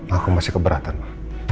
aku masih keberatan ma